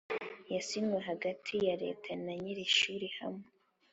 yasinywe hagati ya Leta na nyir ishuri hamwe